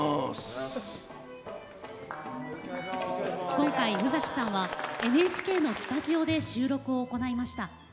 今回、宇崎さんはＮＨＫのスタジオで収録を行いました。